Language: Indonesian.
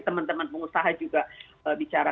teman teman pengusaha juga bicara